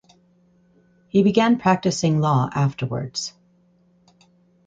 He began practicing law afterwards.